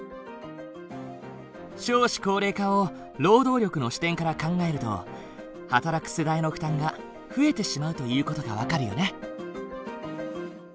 少子高齢化を労働力の視点から考えると働く世代の負担が増えてしまうという事が分かるよね。